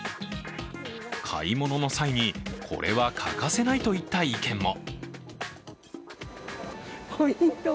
買い物の際に、これは欠かせないといった意見も。